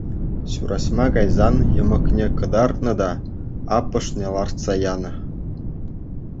Ҫураҫма кайсан йӑмӑкне кӑтартнӑ та аппӑшне лартса янӑ.